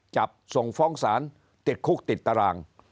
จับส่งฟ้องศาลติดคุกติดตาราง